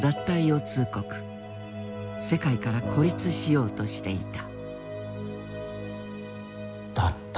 世界から孤立しようとしていた。